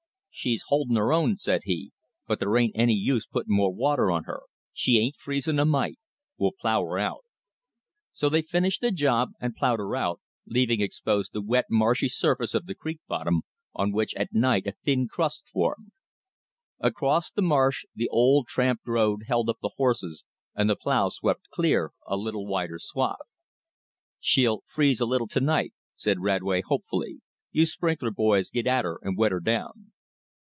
"She's holdin' her own," said he, "but there ain't any use putting more water on her. She ain't freezing a mite. We'll plow her out." So they finished the job, and plowed her out, leaving exposed the wet, marshy surface of the creek bottom, on which at night a thin crust formed. Across the marsh the old tramped road held up the horses, and the plow swept clear a little wider swath. "She'll freeze a little to night," said Radway hopefully. "You sprinkler boys get at her and wet her down."